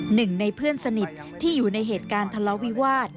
หนึ่งในเพื่อนสนิทที่อยู่ในเหตุการณ์ทะเลาะวิวาส